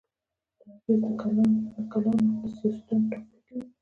دا اغېز د کلانو سیاستونو په ټاکلو کې وي.